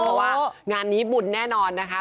เพราะว่างานนี้บุญแน่นอนนะคะ